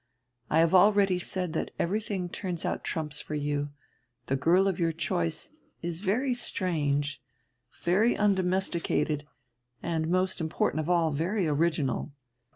I have already said that everything turns out trumps for you. The girl of your choice is very strange, very undomesticated, and, most important of all, very original.